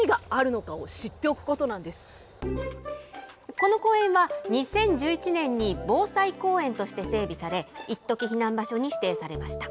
この公園は、２０１１年に防災公園として整備され、いっとき避難場所に指定されました。